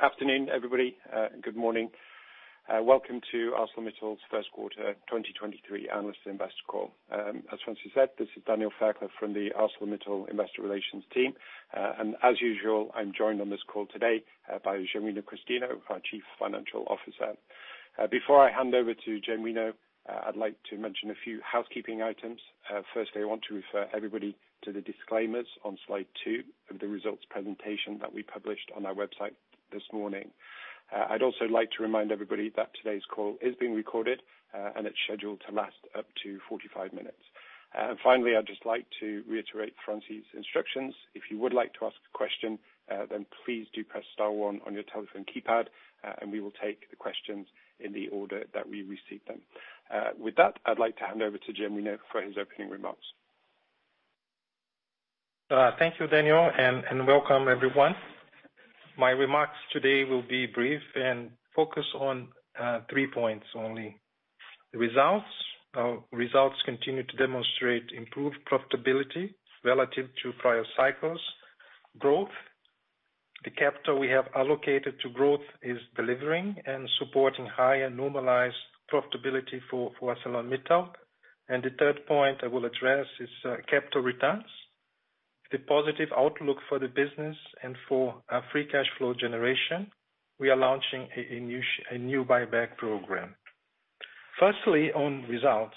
Afternoon, everybody. Good morning. Welcome to ArcelorMittal's 1st quarter 2023 analyst investor call. As Francine said, this is Daniel Fairclough from the ArcelorMittal Investor Relations team. As usual, I'm joined on this call today by Genuino Christino, our Chief Financial Officer. Before I hand over to Genuino, I'd like to mention a few housekeeping items. Firstly, I want to refer everybody to the disclaimers on slide 2 of the results presentation that we published on our website this morning. I'd also like to remind everybody that today's call is being recorded, and it's scheduled to last up to 45 minutes. Finally, I'd just like to reiterate Francine's instructions. If you would like to ask a question, then please do press star one on your telephone keypad, and we will take the questions in the order that we receive them. With that, I'd like to hand over to Genuino for his opening remarks. Thank you, Daniel, and welcome everyone. My remarks today will be brief and focus on three points only. The results. Our results continue to demonstrate improved profitability relative to prior cycles. Growth. The capital we have allocated to growth is delivering and supporting higher normalized profitability for ArcelorMittal. The third point I will address is capital returns. The positive outlook for the business and for a free cash flow generation, we are launching a new buyback program. Firstly, on results.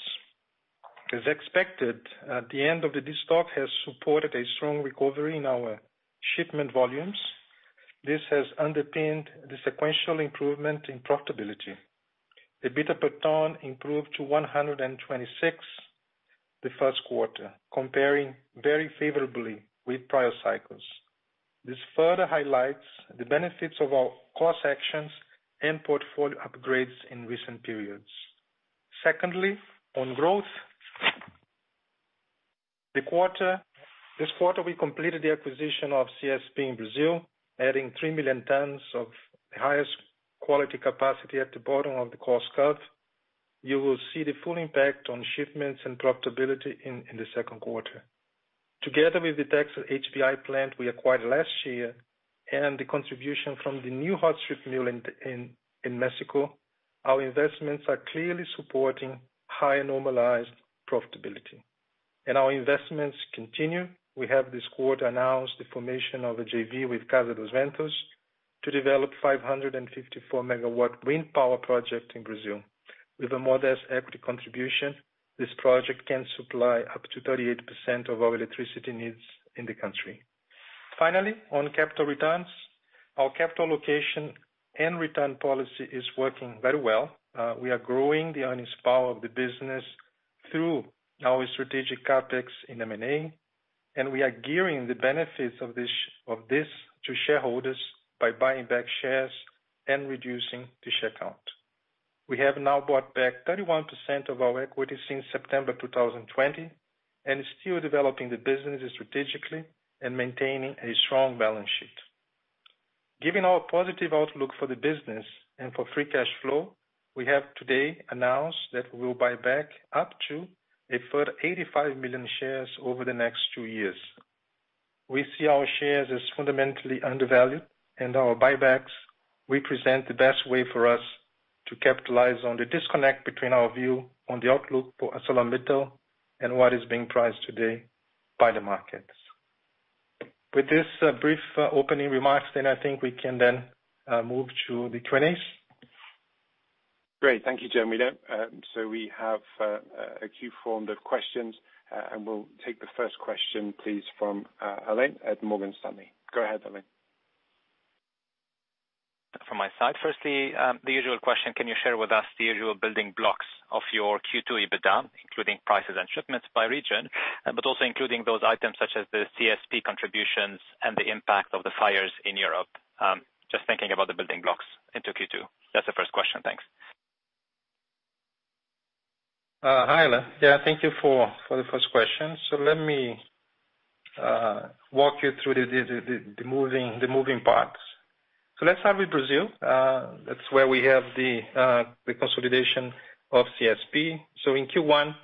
As expected, at the end of the stock has supported a strong recovery in our shipment volumes. This has underpinned the sequential improvement in profitability. EBITDA per ton improved to 126 the first quarter, comparing very favorably with prior cycles. This further highlights the benefits of our cost actions and portfolio upgrades in recent periods. On growth. This quarter, we completed the acquisition of CSP in Brazil, adding 3 million tons of highest quality capacity at the bottom of the cost curve. You will see the full impact on shipments and profitability in the second quarter. Together with the Texas HBI plant we acquired last year and the contribution from the new hot strip mill in Mexico, our investments are clearly supporting high normalized profitability. Our investments continue. We have this quarter announced the formation of a JV with Casa dos Ventos to develop 554 MW wind power project in Brazil. With a modest EP Contribution, this project can supply up to 38% of our electricity needs in the country. On capital returns. Our capital location and return policy is working very well. We are growing the earnings power of the business through our strategic CapEx in M&A, and we are gearing the benefits of this to shareholders by buying back shares and reducing the share count. We have now bought back 31% of our equity since September 2020 and still developing the business strategically and maintaining a strong balance sheet. Given our positive outlook for the business and for free cash flow, we have today announced that we will buy back up to a further 85 million shares over the next two years. We see our shares as fundamentally undervalued, and our buybacks represent the best way for us to capitalize on the disconnect between our view on the outlook for ArcelorMittal and what is being priced today by the markets. With this, brief opening remarks, then I think we can then, move to the Q&A. Great. Thank you, Genuino Christino. We have a queue formed of questions, and we'll take the first question, please, from Alain at Morgan Stanley. Go ahead, Alain. From my side. Firstly, the usual question, can you share with us the usual building blocks of your Q2 EBITDA, including prices and shipments by region, also including those items such as the CSP contributions and the impact of the fires in Europe? Just thinking about the building blocks into Q2. That's the first question. Thanks. Hi, Alain. Yeah, thank you for the first question. Let me walk you through the moving parts. Let's start with Brazil. That's where we have the consolidation of CSP. In Q1,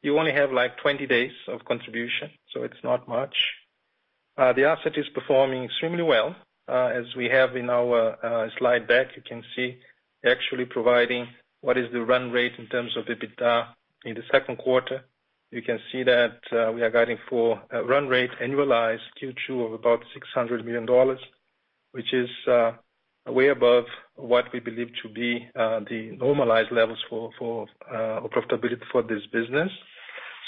you only have, like, 20 days of contribution, so it's not much. The asset is performing extremely well, as we have in our slide deck. You can see actually providing what is the run rate in terms of EBITDA in the second quarter. You can see that we are guiding for a run rate annualized Q2 of about $600 million, which is way above what we believe to be the normalized levels for profitability for this business.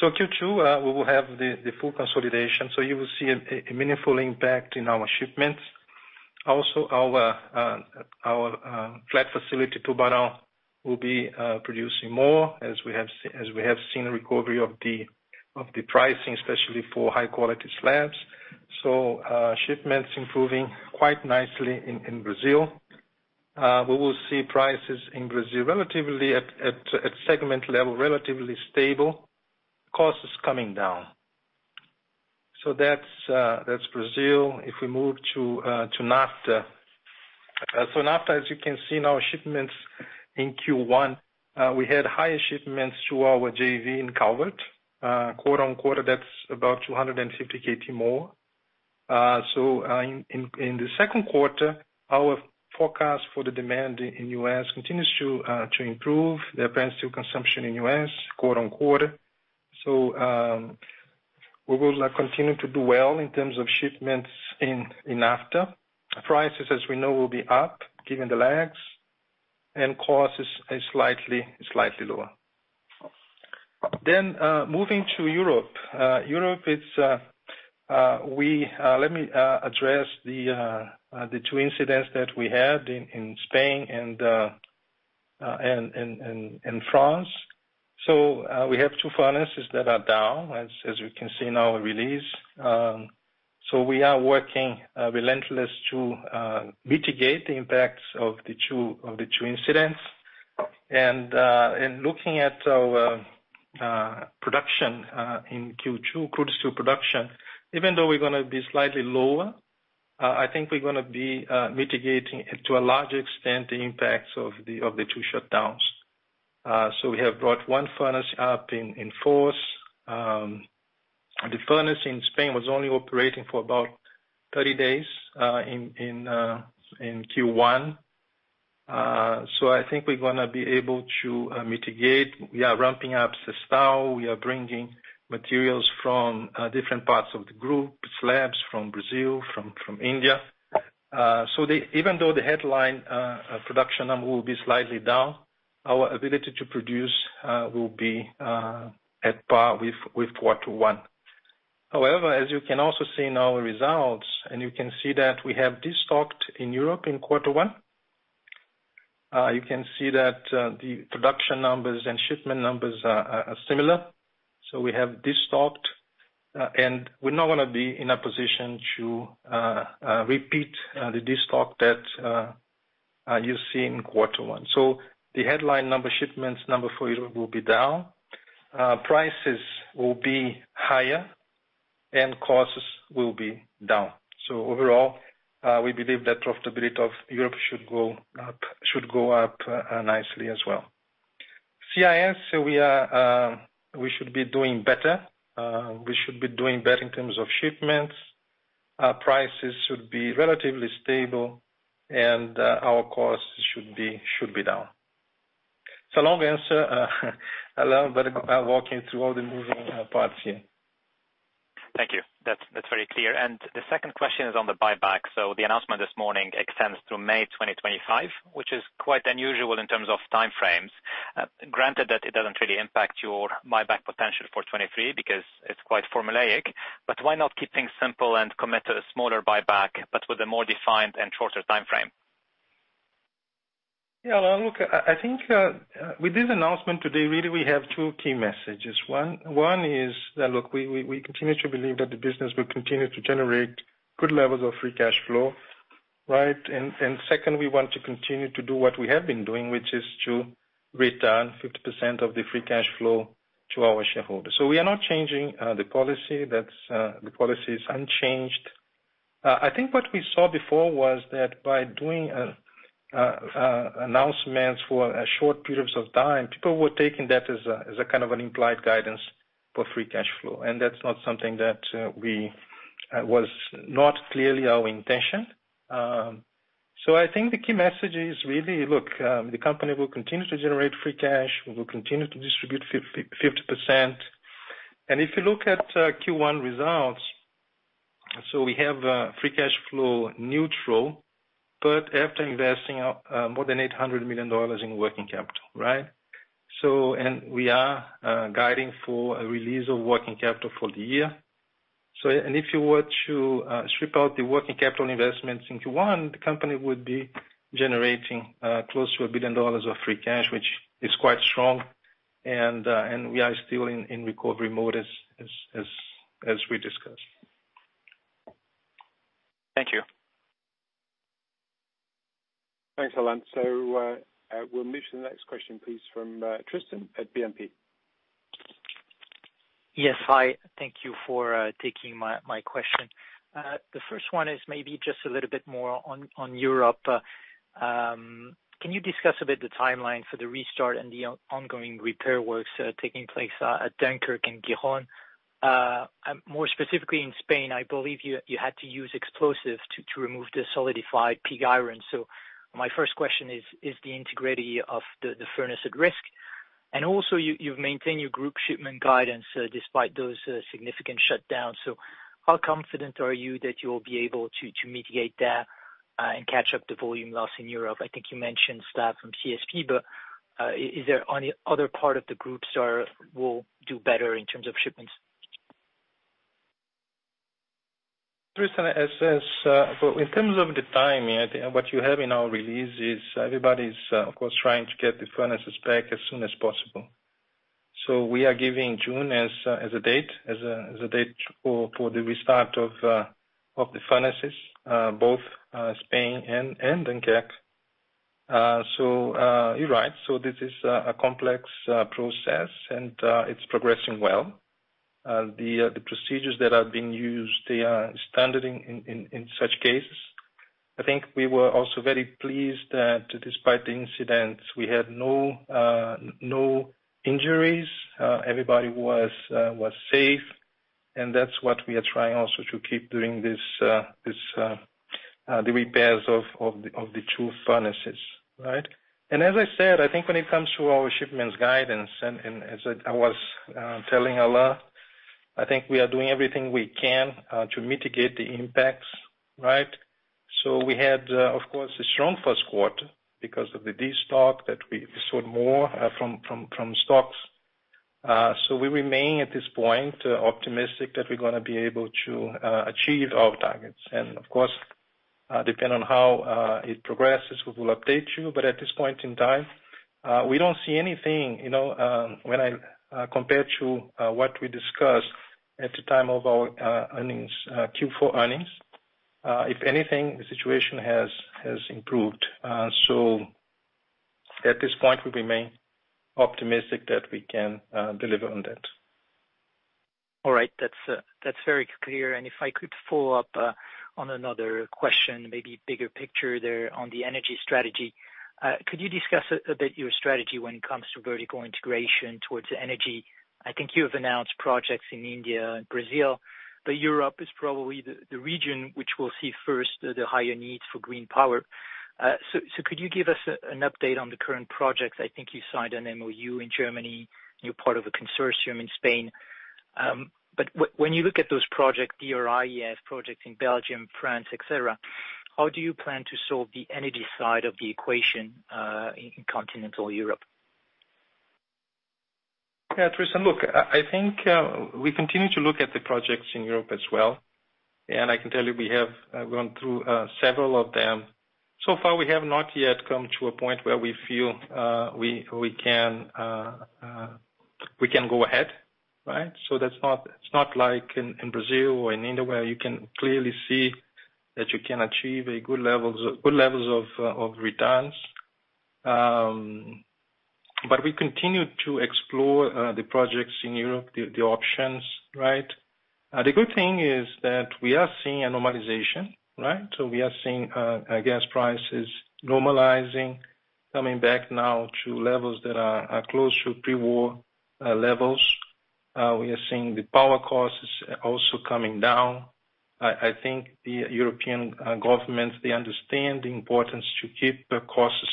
Q2, we will have the full consolidation, so you will see a meaningful impact in our shipments. Also, our flat facility, Tubarão, will be producing more as we have seen a recovery of the pricing, especially for high-quality slabs. Shipments improving quite nicely in Brazil. We will see prices in Brazil relatively at segment level, relatively stable. Cost is coming down. That's Brazil. If we move to NAFTA. NAFTA, as you can see in our shipments in Q1, we had higher shipments through our JV in Calvert. Quarter-on-quarter, that's about 250 KT more. In the second quarter, our forecast for the demand in U.S. continues to improve the apparent steel consumption in U.S. quarter-on-quarter. We will continue to do well in terms of shipments in after. Prices, as we know, will be up given the lags, and costs is slightly lower. Moving to Europe. Europe it's, let me address the two incidents that we had in Spain and France. We have two furnaces that are down, as you can see in our release. We are working relentless to mitigate the impacts of the two incidents. Looking at our production in Q2, crude steel production, even though we're gonna be slightly lower, I think we're gonna be mitigating it to a large extent, the impacts of the two shutdowns. We have brought one furnace up in Fos. The furnace in Spain was only operating for about 30 days in Q1. I think we're gonna be able to mitigate. We are ramping up the stove. We are bringing materials from different parts of the group, slabs from Brazil, from India. Even though the headline production number will be slightly down, our ability to produce will be at par with Q1. However, as you can also see in our results, and you can see that we have de-stocked in Europe in quarter one. You can see that the production numbers and shipment numbers are similar. We have de-stocked, and we're not gonna be in a position to repeat the de-stock that you see in quarter one. The headline number, shipments number for Europe will be down. Prices will be higher and costs will be down. Overall, we believe that profitability of Europe should go up nicely as well. CIS, we should be doing better. We should be doing better in terms of shipments. Our prices should be relatively stable and our costs should be down. It's a long answer, but walking through all the moving parts here. Thank you. That's very clear. The second question is on the buyback. The announcement this morning extends through May 2025, which is quite unusual in terms of time frames. Granted, that it doesn't really impact your buyback potential for 2023 because it's quite formulaic. Why not keep things simple and commit to a smaller buyback, but with a more defined and shorter time frame? Yeah, look, I think, with this announcement today, really, we have two key messages. One is that, look, we continue to believe that the business will continue to generate good levels of free cash flow, right? Second, we want to continue to do what we have been doing, which is to return 50% of the free cash flow to our shareholders. We are not changing the policy. That's, the policy is unchanged. I think what we saw before was that by doing announcements for short periods of time, people were taking that as a kind of an implied guidance for free cash flow. That's not something that was not clearly our intention. I think the key message is really, look, the company will continue to generate free cash. We will continue to distribute 50%. If you look at Q1 results, we have free cash flow neutral, but after investing more than $800 million in working capital, right? We are guiding for a release of working capital for the year. If you were to strip out the working capital investments in Q1, the company would be generating close to $1 billion of free cash, which is quite strong. We are still in recovery mode as we discussed. Thank you. Thanks, Alan. We'll move to the next question, please, from Tristan at BNP. Yes. Hi. Thank you for taking my question. The first one is maybe just a little bit more on Europe. Can you discuss a bit the timeline for the restart and the on-ongoing repair works taking place at Dunkirk and Gijón? More specifically in Spain, I believe you had to use explosives to remove the solidified pig iron. My first question is the integrity of the furnace at risk? Also, you've maintained your group shipment guidance despite those significant shutdowns. How confident are you that you'll be able to mitigate that and catch up the volume loss in Europe? I think you mentioned staff from CSP, but is there any other part of the groups will do better in terms of shipments? Tristan, as says, in terms of the timing, I think what you have in our release is everybody's, of course, trying to get the furnaces back as soon as possible. We are giving June as a date for the restart of the furnaces, both Spain and Dunkirk. You're right. This is a complex process, and it's progressing well. The procedures that are being used, they are standard in such cases. I think we were also very pleased that despite the incidents, we had no injuries. Everybody was safe. That's what we are trying also to keep doing this, the repairs of the two furnaces, right? As I said, I think when it comes to our shipments guidance, and as I was telling Alain, I think we are doing everything we can to mitigate the impacts, right? We had, of course, a strong first quarter because of the destock that we sold more from stocks. We remain at this point optimistic that we're gonna be able to achieve our targets. Of course, depend on how it progresses, we will update you. At this point in time, we don't see anything, you know, when I compared to what we discussed at the time of our earnings, Q4 earnings. If anything, the situation has improved. At this point, we remain optimistic that we can deliver on that. All right. That's, that's very clear. If I could follow up on another question, maybe bigger picture there on the energy strategy. Could you discuss a bit your strategy when it comes to vertical integration towards energy? I think you have announced projects in India and Brazil, but Europe is probably the region which will see first the higher needs for green power. So, could you give us an update on the current projects? I think you signed an MOU in Germany, and you're part of a consortium in Spain. When you look at those projects, the [RIES] projects in Belgium, France, et cetera, how do you plan to solve the energy side of the equation in continental Europe? Yeah, Tristan. Look, I think, we continue to look at the projects in Europe as well, and I can tell you we have gone through several of them. Far we have not yet come to a point where we feel, we can, we can go ahead, right? It's not like in Brazil or in India, where you can clearly see that you can achieve good levels of returns. But we continue to explore, the projects in Europe, the options, right? The good thing is that we are seeing a normalization, right? We are seeing, gas prices normalizing, coming back now to levels that are close to pre-war levels. We are seeing the power costs also coming down. I think the European governments, they understand the importance to keep the costs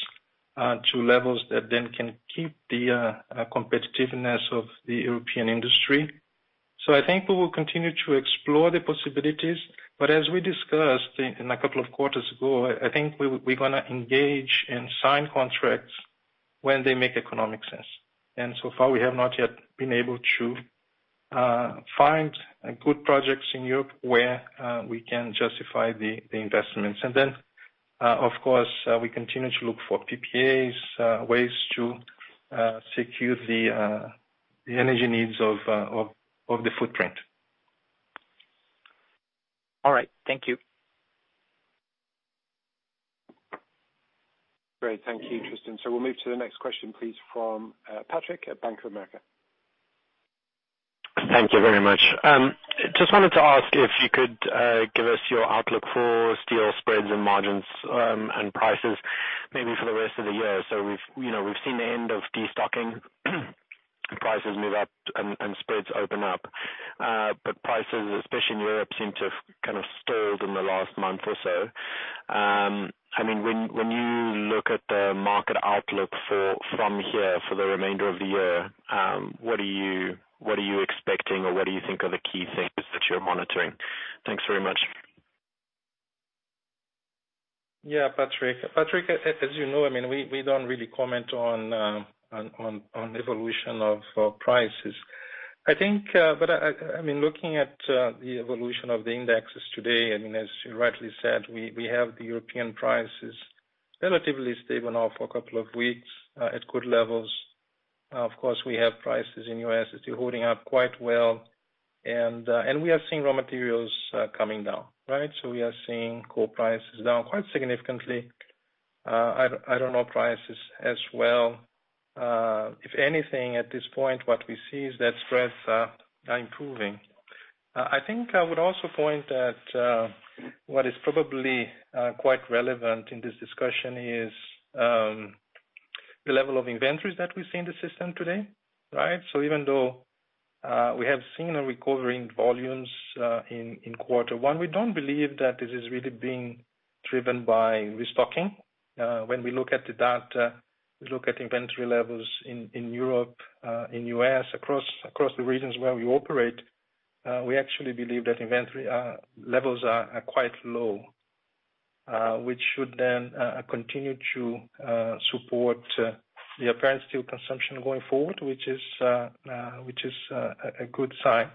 to levels that then can keep the competitiveness of the European industry. I think we will continue to explore the possibilities. As we discussed in a couple of quarters ago, I think we're gonna engage and sign contracts when they make economic sense. So far we have not yet been able to find good projects in Europe where we can justify the investments. Then, of course, we continue to look for PPAs, ways to secure the energy needs of the footprint. All right. Thank you. Great. Thank you, Tristan. We'll move to the next question, please, from, Patrick at Bank of America. Thank you very much. Just wanted to ask if you could give us your outlook for steel spreads and margins, and prices maybe for the rest of the year. We've, you know, we've seen the end of destocking, prices move up and spreads open up. Prices, especially in Europe, seem to have kind of stalled in the last month or so. I mean, when you look at the market outlook from here for the remainder of the year, what are you expecting, or what do you think are the key things that you're monitoring? Thanks very much. Yeah, Patrick. Patrick, as you know, I mean, we don't really comment on, on evolution of prices. I think, but I mean, looking at the evolution of the indexes today, I mean, as you rightly said, we have the European prices relatively stable now for a couple of weeks, at good levels. Of course, we have prices in U.S. as holding up quite well. We have seen raw materials coming down, right? We are seeing coal prices down quite significantly. I don't know prices as well. If anything, at this point, what we see is that spreads are improving. I think I would also point that what is probably quite relevant in this discussion is the level of inventories that we see in the system today, right? Even though we have seen a recovery in volumes in quarter one, we don't believe that it is really being driven by restocking. When we look at the data, we look at inventory levels in Europe, in U.S., across the regions where we operate, we actually believe that inventory levels are quite low, which should then continue to support the apparent steel consumption going forward, which is a good sign,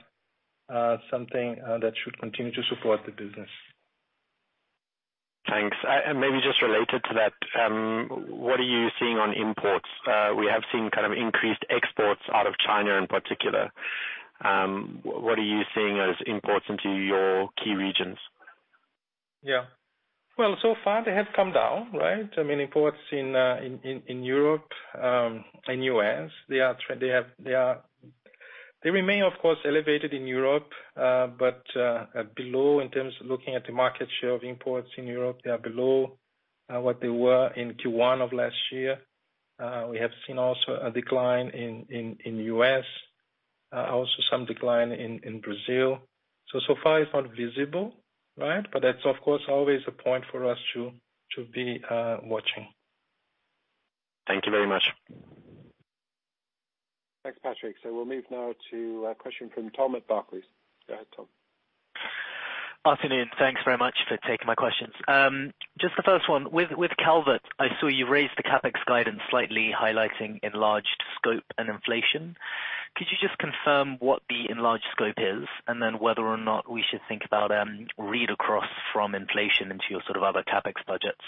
something that should continue to support the business. Thanks. Maybe just related to that, what are you seeing on imports? We have seen kind of increased exports out of China in particular. What are you seeing as imports into your key regions? Yeah. Well, so far they have come down, right? I mean, imports in Europe, in U.S., they remain, of course, elevated in Europe, but below in terms of looking at the market share of imports in Europe, they are below what they were in Q1 of last year. We have seen also a decline in the U.S., also some decline in Brazil. So far it's not visible, right? That's of course, always a point for us to be watching. Thank you very much. Thanks, Patrick. We'll move now to a question from Tom at Barclays. Go ahead, Tom. Afternoon. Thanks very much for taking my questions. Just the first one. With Calvert, I saw you raised the CapEx guidance slightly highlighting enlarged scope and inflation. Could you just confirm what the enlarged scope is, and then whether or not we should think about read across from inflation into your sort of other CapEx budgets,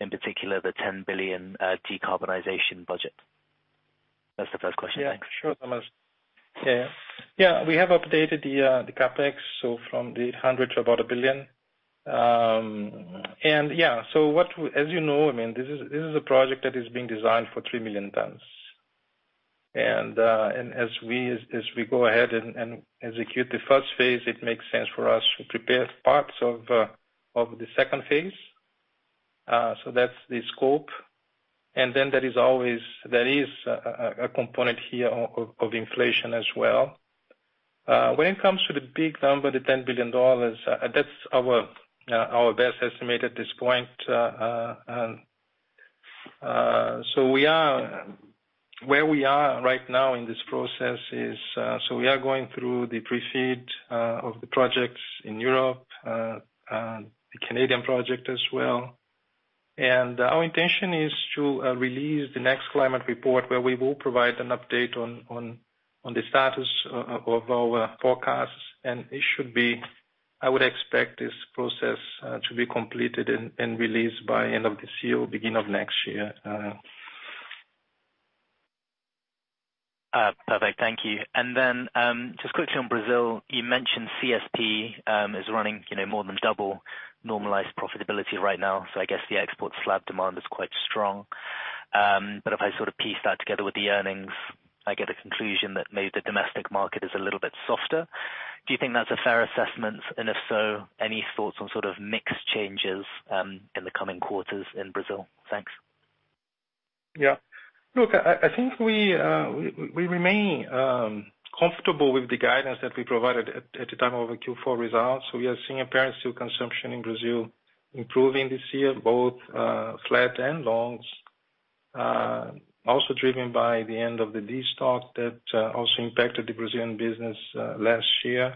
in particular, the $10 billion decarbonization budget? That's the first question. Thanks. Yeah. Sure, Thomas. Yeah. Yeah, we have updated the CapEx, so from the $100 to about $1 billion. As you know, I mean, this is, this is a project that is being designed for 3 million tons. As we go ahead and execute the first phase, it makes sense for us to prepare parts of the second phase. That's the scope. There is a component here of inflation as well. When it comes to the big number, the $10 billion, that's our best estimate at this point. We are... Where we are right now in this process is, we are going through the Pre-FEED of the projects in Europe, the Canadian project as well. Our intention is to release the next climate report where we will provide an update on the status of our forecasts. I would expect this process to be completed and released by end of this year or beginning of next year. Perfect. Thank you. Just quickly on Brazil. You mentioned CSP is running, you know, more than double normalized profitability right now. I guess the export slab demand is quite strong. If I sort of piece that together with the earnings, I get a conclusion that maybe the domestic market is a little bit softer. Do you think that's a fair assessment? If so, any thoughts on sort of mixed changes in the coming quarters in Brazil? Thanks. Yeah. Look, I think we remain comfortable with the guidance that we provided at the time of our Q4 results. We are seeing apparent steel consumption in Brazil improving this year, both flat and longs. Also driven by the end of the destock that also impacted the Brazilian business last year.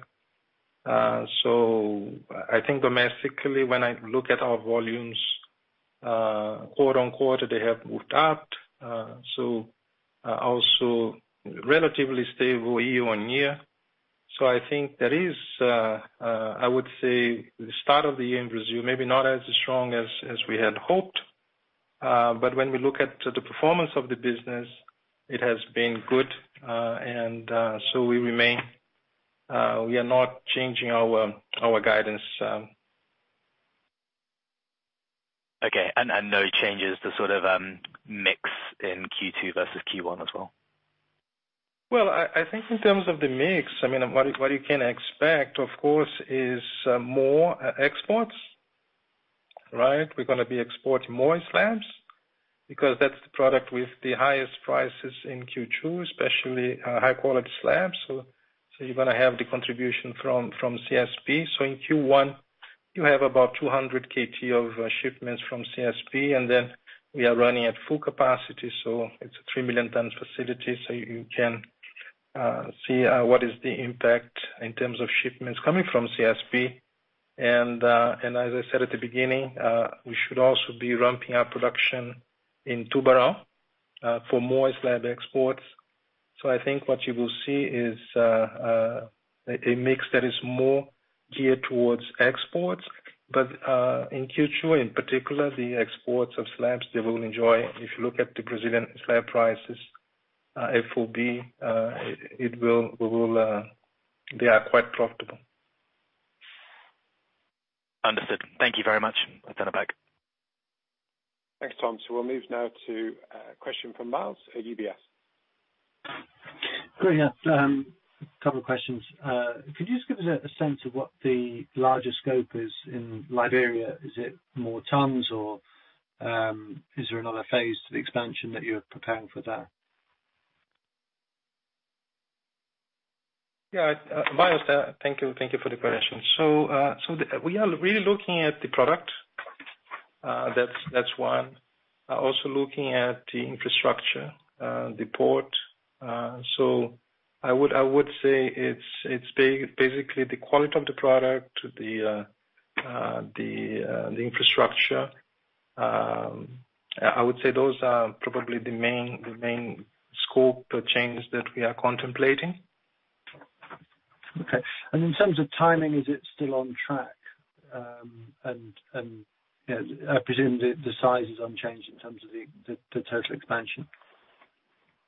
I think domestically, when I look at our volumes, quarter-on-quarter, they have moved up. Also relatively stable year-on-year. I think there is, I would say, the start of the year in Brazil, maybe not as strong as we had hoped, when we look at the performance of the business, it has been good, we remain. We are not changing our guidance. Okay. And no changes to sort of, mix in Q2 versus Q1 as well? Well, I think in terms of the mix, I mean, what you can expect, of course, is more exports. Right. We're gonna be exporting more slabs because that's the product with the highest prices in Q2, especially high quality slabs. You're gonna have the contribution from CSP. In Q1, you have about 200 KT of shipments from CSP, and then we are running at full capacity. It's a 3 million ton facility. You can see what is the impact in terms of shipments coming from CSP. As I said at the beginning, we should also be ramping up production in Tubarão for more slab exports. I think what you will see is a mix that is more geared towards exports. In Q2, in particular, the exports of slabs, they will enjoy. If you look at the Brazilian slab prices, FOB, we will, they are quite profitable. Understood. Thank you very much. I'll turn it back. Thanks, Tom. We'll move now to a question from Myles at UBS. Great. Yeah. A couple of questions. Could you just give us a sense of what the larger scope is in Liberia? Is it more tons or, is there another phase to the expansion that you're preparing for that? Yeah. Myles, thank you. Thank you for the question. We are really looking at the product. That's one. Also looking at the infrastructure, the port. I would say it's basically the quality of the product, the infrastructure. I would say those are probably the main scope of changes that we are contemplating. Okay. In terms of timing, is it still on track? And, you know, I presume the size is unchanged in terms of the total expansion.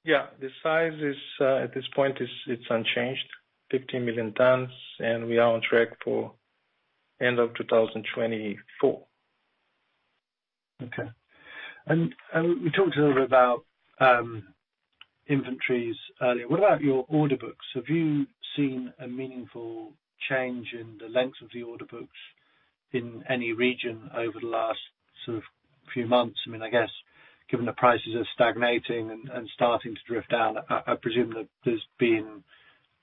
Yeah. The size is, at this point is, it's unchanged, 15 million tons, and we are on track for end of 2024. Okay. We talked a little bit about inventories earlier. What about your order books? Have you seen a meaningful change in the length of the order books in any region over the last sort of few months? I mean, I guess given the prices are stagnating and starting to drift down, I presume that there's been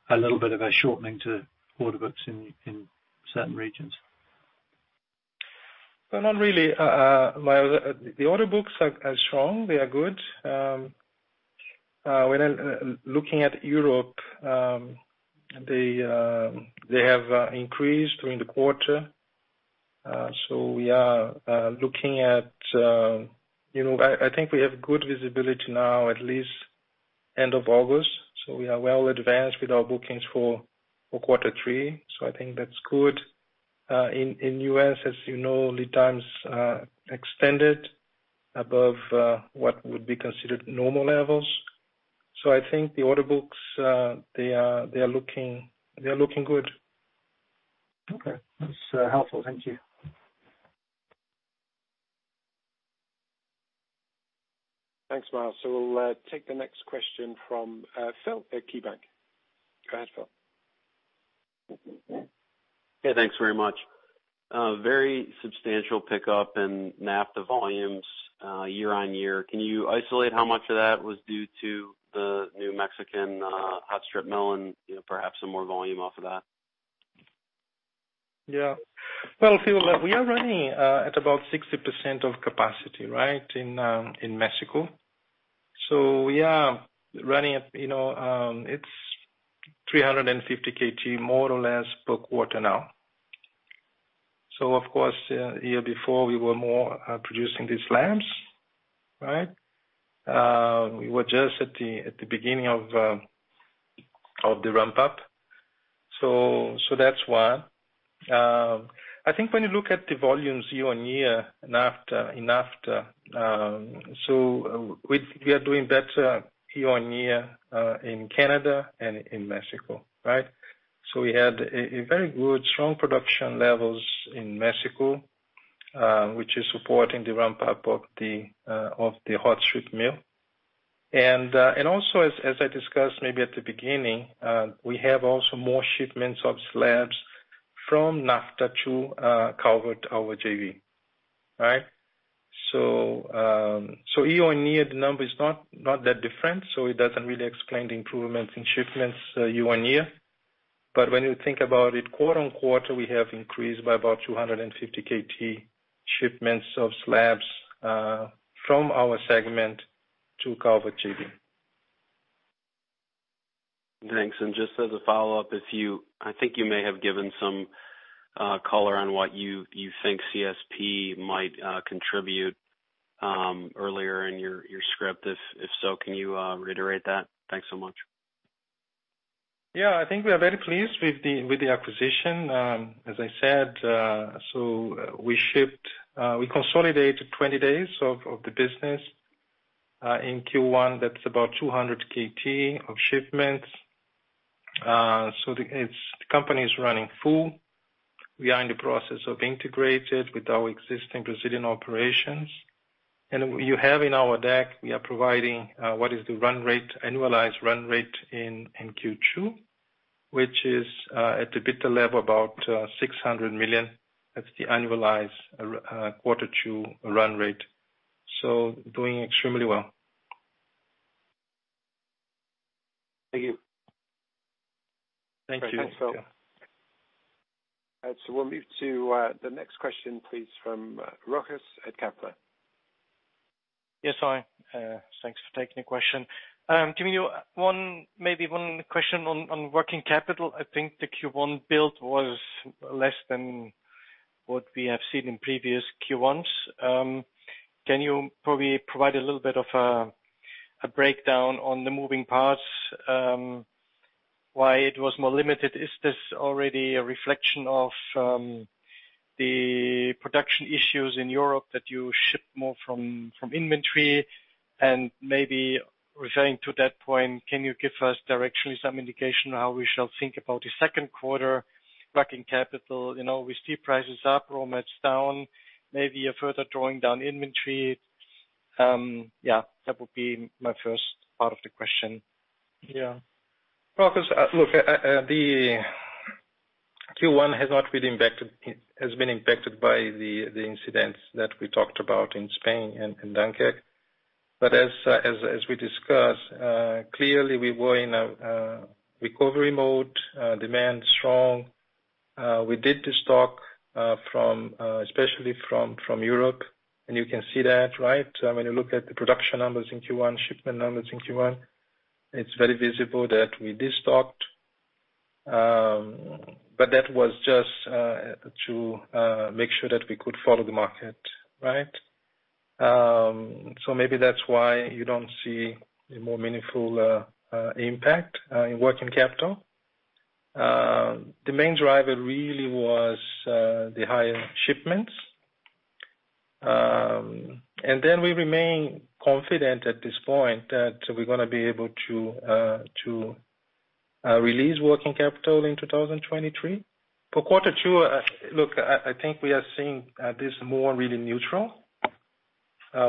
a little bit of a shortening to order books in certain regions. Not really. Myles, the order books are strong. They are good. when looking at Europe, they have increased during the quarter. we are looking at. You know, I think we have good visibility now, at least end of August. we are well advanced with our bookings for quarter three. I think that's good. in US, as you know, lead times extended above what would be considered normal levels. I think the order books they are looking good. Okay. That's helpful. Thank you. Thanks, Myles. We'll take the next question from Phil at KeyBank. Go ahead, Phil. Thanks very much. Very substantial pickup in NAFTA volumes, year on year. Can you isolate how much of that was due to the new Mexican hot strip mill and, you know, perhaps some more volume off of that? Well, Phil, we are running at about 60% of capacity, right? In Mexico. We are running at, you know, it's 350 KT more or less per quarter now. Of course, year before we were more producing these slabs, right? We were just at the beginning of the ramp up. That's one. I think when you look at the volumes year-on-year in NAFTA, we are doing better year-on-year in Canada and in Mexico, right? We had a very good strong production levels in Mexico, which is supporting the ramp up of the hot strip mill. Also as I discussed maybe at the beginning, we have also more shipments of slabs from NAFTA to Calvert, our JV, right? Year-on-year, the number is not that different, so it doesn't really explain the improvements in shipments year-on-year. When you think about it quarter-on-quarter, we have increased by about 250 KT shipments of slabs from our segment to Calvert JV. Thanks. Just as a follow-up, I think you may have given some color on what you think CSP might contribute earlier in your script. If so, can you reiterate that? Thanks so much. Yeah. I think we are very pleased with the, with the acquisition. As I said, we shipped, we consolidated 20 days of the business in Q1. That's about 200 KT of shipments. The company is running full. We are in the process of integrating with our existing Brazilian operations. You have in our deck, we are providing what is the run rate, annualized run rate in Q2, which is at EBITDA level, about $600 million. That's the annualized quarter two run rate. Doing extremely well. Thank you. Thank you. Thanks, Phil. We'll move to the next question please from Rochus at Kepler. Yes. Sorry. Thanks for taking the question. Maybe one question on working capital. I think the Q1 build was less than what we have seen in previous Q1s. Can you probably provide a little bit of a breakdown on the moving parts, why it was more limited? Is this already a reflection of the production issues in Europe that you ship more from inventory? Maybe referring to that point, can you give us directionally some indication how we shall think about the second quarter working capital? You know, we see prices up, raw mats down, maybe a further drawing down inventory. Yeah, that would be my first part of the question. Yeah. Rochus, look, it has been impacted by the incidents that we talked about in Spain and in Dunkirk. As we discussed, clearly we were in a recovery mode, demand strong. We did the stock from especially from Europe. You can see that, right? I mean, you look at the production numbers in Q1, shipment numbers in Q1, it's very visible that we destocked. That was just to make sure that we could follow the market, right? Maybe that's why you don't see a more meaningful impact in working capital. The main driver really was the higher shipments. We remain confident at this point that we're gonna be able to release working capital in 2023. For Q2, look, I think we are seeing, this more really neutral.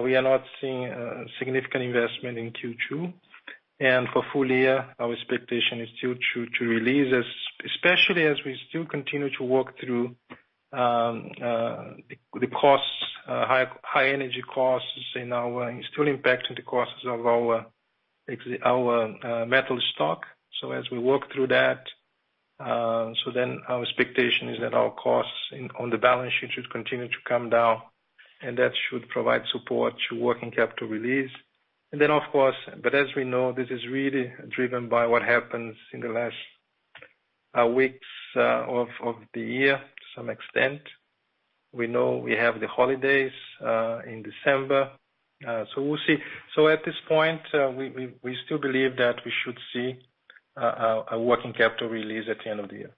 We are not seeing a significant investment in Q2. For full year, our expectation is still to release, especially as we still continue to work through, the costs, high energy costs in our. It's still impacting the costs of our metal stock. As we work through that, our expectation is that our costs on the balance sheet should continue to come down, and that should provide support to working capital release. Of course, but as we know, this is really driven by what happens in the last weeks of the year to some extent. We know we have the holidays in December. We'll see. At this point, we still believe that we should see a working capital release at the end of the year.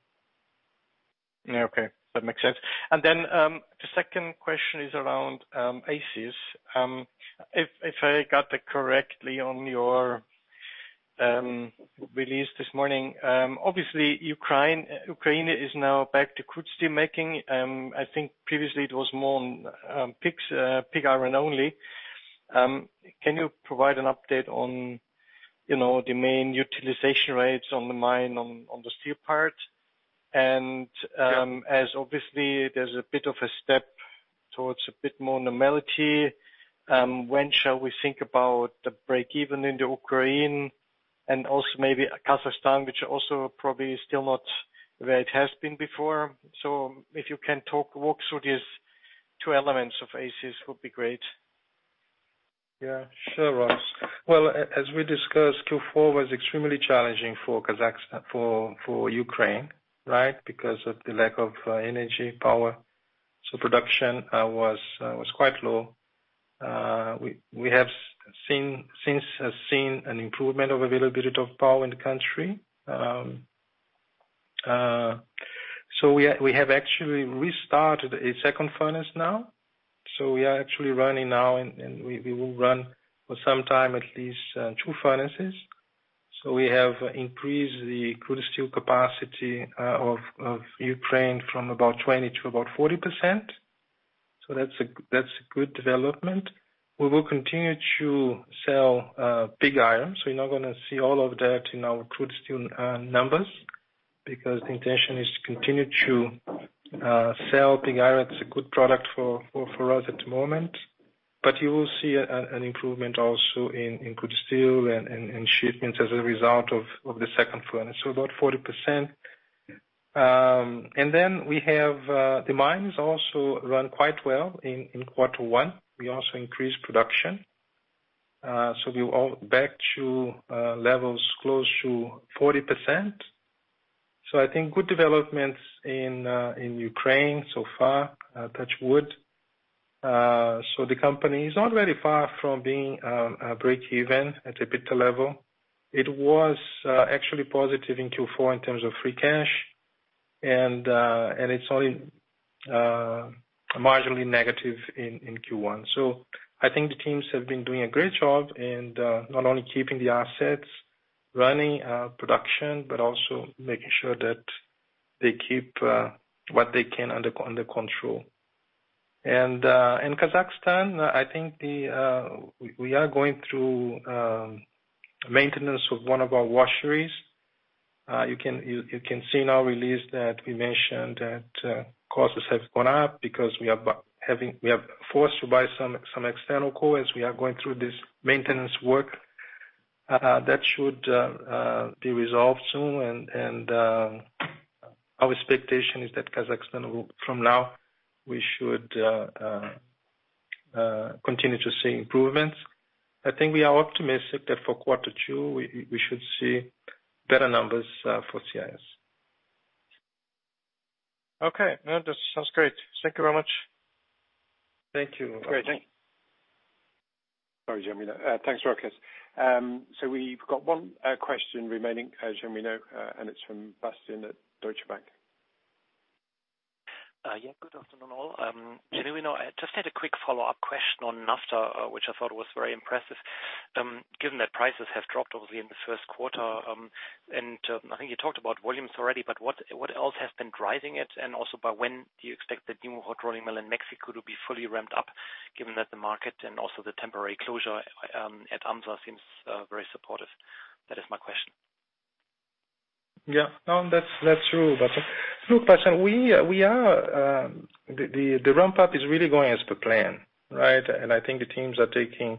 Yeah. Okay. That makes sense. The second question is around ACIS. If I got it correctly on your release this morning, obviously Ukraine is now back to crude steel making. I think previously it was more pig iron only. Can you provide an update on, you know, the main utilization rates on the mine on the steel part? Yeah. As obviously there's a bit of a step towards a bit more normality, when shall we think about the break even in the Ukraine and also maybe Kazakhstan, which also probably is still not where it has been before? If you can walk through these two elements of ACIS would be great. Yeah. Sure, Rochus. Well, as we discussed, Q4 was extremely challenging for Ukraine, right? Because of the lack of energy power. Production was quite low. We have since seen an improvement of availability of power in the country. We have actually restarted a second furnace now. We are actually running now and we will run for some time at least, two furnaces. We have increased the crude steel capacity of Ukraine from about 20% to about 40%. That's a good development. We will continue to sell pig iron, so you're not gonna see all of that in our crude steel numbers because the intention is to continue to sell pig iron. It's a good product for us at the moment. You will see an improvement also in crude steel and shipments as a result of the second furnace, so about 40%. Then we have, the mines also run quite well in Q1. We also increased production. We all back to levels close to 40%. I think good developments in Ukraine so far, touch wood. The company is not very far from being breakeven at EBITDA level. It was actually positive in Q4 in terms of free cash, and it's only marginally negative in Q1. I think the teams have been doing a great job in not only keeping the assets, running production, but also making sure that they keep what they can under control. In Kazakhstan, I think we are going through maintenance with one of our washeries. You can see in our release that we mentioned that costs have gone up because we are forced to buy some external coal as we are going through this maintenance work. That should be resolved soon. Our expectation is that Kazakhstan will from now we should continue to see improvements. I think we are optimistic that for quarter two we should see better numbers for CIS. Okay. No, this sounds great. Thank you very much. Thank you. Great. Sorry, Genuino Christino. Thanks, Rochus. We've got one question remaining, Genuino Christino, and it's from Bastian at Deutsche Bank. yeah, good afternoon all. Genuino Christino, I just had a quick follow-up question on Nafta, which I thought was very impressive. Given that prices have dropped obviously in the 1st quarter, and I think you talked about volumes already, but what else has been driving it? Also by when do you expect the new hot rolling mill in Mexico to be fully ramped up, given that the market and also the temporary closure at AHMSA seems very supportive? That is my question. Yeah. No, that's true, Bastian. Look, Bastian, we are, the ramp up is really going as per plan, right? I think the teams are taking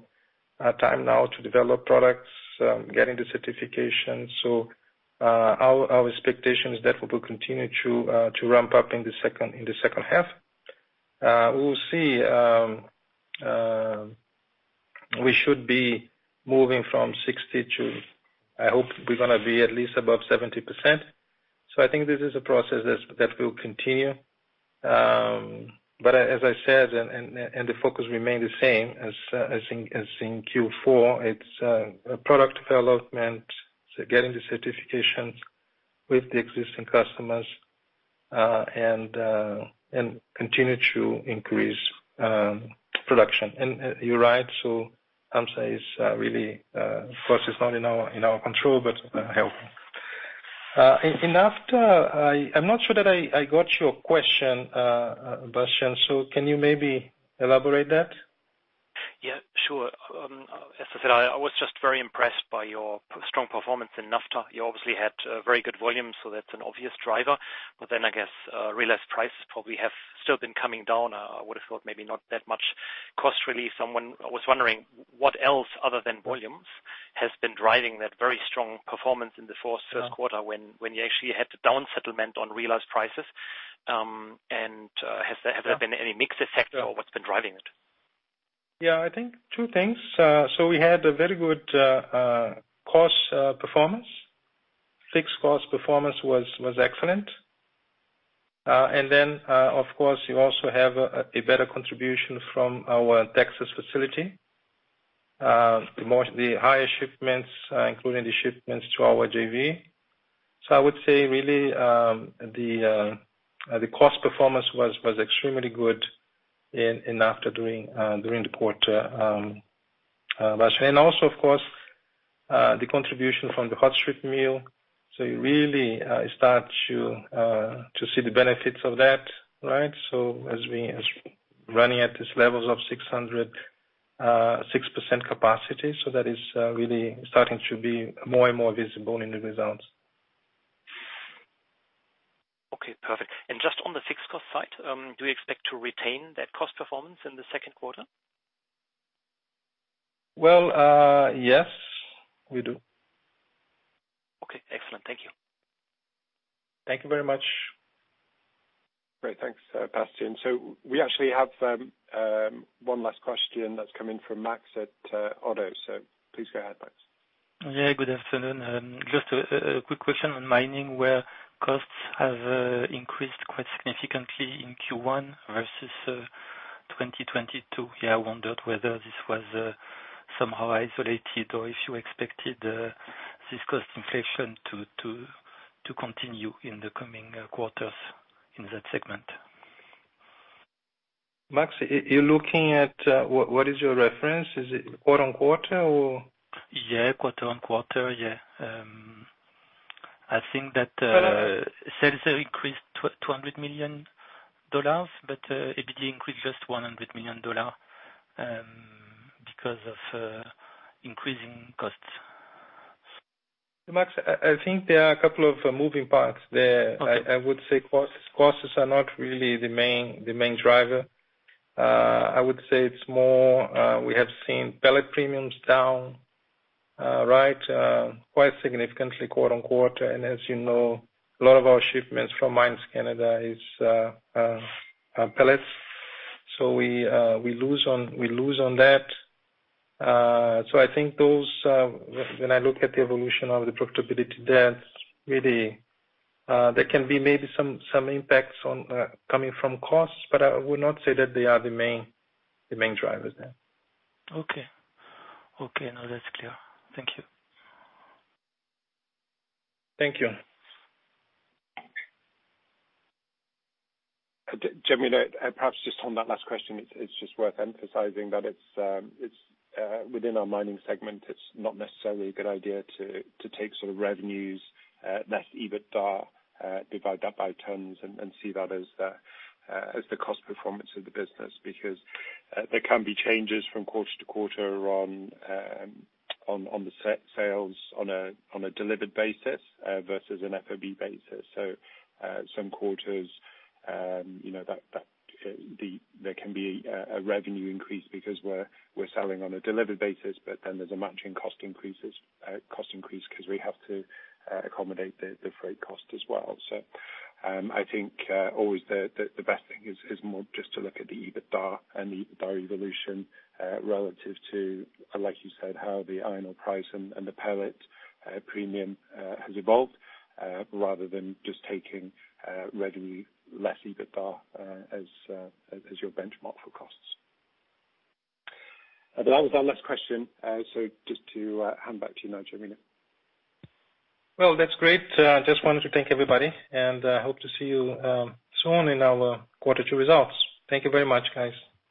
time now to develop products, getting the certification. Our expectation is that we will continue to ramp up in the second, in the second half. We'll see, we should be moving from 60 to I hope we're gonna be at least above 70%. I think this is a process that will continue. As I said, the focus remained the same as in Q4. It's product development, so getting the certifications with the existing customers, and continue to increase production. You're right. AHMSA is really, of course, it's not in our, in our control, but helpful. I'm not sure that I got your question, Bastian. Can you maybe elaborate that? Yeah, sure. As I said, I was just very impressed by your strong performance in NAFTA. You obviously had very good volumes, so that's an obvious driver. I guess realized prices probably have still been coming down. I would have thought maybe not that much cost relief. I was wondering, what else other than volumes has been driving that very strong performance in the fourth, first quarter when you actually had the down settlement on realized prices? Has there been any mix effect or what's been driving it? Yeah, I think two things. We had a very good cost performance. Fixed cost performance was excellent. Then, of course, you also have a better contribution from our Texas facility, the higher shipments, including the shipments to our JV. I would say really, the cost performance was extremely good in after during the quarter. Also, of course, the contribution from the hot strip mill. You really start to see the benefits of that, right? As running at these levels of 606% capacity. That is really starting to be more and more visible in the results. Okay, perfect. Just on the fixed cost side, do you expect to retain that cost performance in the second quarter? Well, yes, we do. Okay, excellent. Thank you. Thank you very much. Great. Thanks, Bastian. We actually have one last question that's come in from Max at Oddo. Please go ahead, Max. Yeah, good afternoon. Just a quick question on mining, where costs have increased quite significantly in Q1 versus 2022. I wondered whether this was somehow isolated or if you expected this cost inflation to continue in the coming quarters in that segment. Max, you're looking at, what is your reference? Is it quarter-on-quarter or? Yeah, quarter-on-quarter. Yeah. I think that sales have increased $200 million. EBITDA increased just $100 million because of increasing costs. Max, I think there are a couple of moving parts there. Okay. I would say costs are not really the main driver. I would say it's more, we have seen pellet premiums down, right, quite significantly quarter-on-quarter. As you know, a lot of our shipments from Mines Canada is pellets. We lose on that. I think those, when I look at the evolution of the profitability there, really, there can be maybe some impacts on coming from costs, but I would not say that they are the main drivers there. Okay. Okay, now that's clear. Thank you. Thank you. Genuino, perhaps just on that last question, it's just worth emphasizing that it's within our mining segment, it's not necessarily a good idea to take sort of revenues, less EBITDA, divide that by tons and see that as the cost performance of the business, because there can be changes from quarter to quarter on the sales on a delivered basis versus an FOB basis. Some quarters, you know that there can be a revenue increase because we're selling on a delivered basis, but then there's a matching cost increase 'cause we have to accommodate the freight cost as well. I think, always the, the best thing is more just to look at the EBITDA and the EBITDA evolution, relative to, like you said, how the iron ore price and the pellet premium has evolved, rather than just taking revenue less EBITDA, as your benchmark for costs. That was our last question. Just to hand back to you now, Genuino Christino. Well, that's great. Just wanted to thank everybody, and hope to see you soon in our quarter two results. Thank you very much, guys.